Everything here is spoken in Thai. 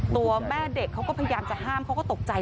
ตัวแม่เด็กเขาก็พยายามจะห้ามเขาก็ตกใจ